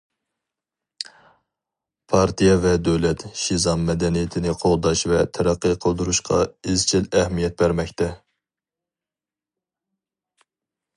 پارتىيە ۋە دۆلەت شىزاڭ مەدەنىيىتىنى قوغداش ۋە تەرەققىي قىلدۇرۇشقا ئىزچىل ئەھمىيەت بەرمەكتە.